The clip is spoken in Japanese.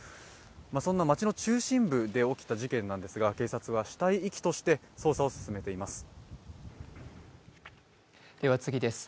そんな町の中心部で起きた事件ですが警察は死体遺棄事件として捜査を進めています。